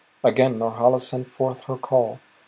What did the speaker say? Again Norhala sent forth her call.